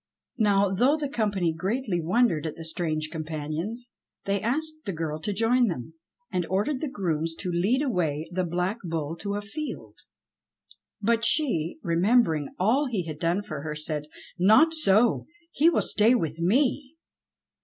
Now, though the company greatly wondered at the strange companions, they asked the girl to join them, and ordered the grooms to lead away the Black Bull to a field. But she, remembering all he had done for her said, "Not so! He will stay with me!"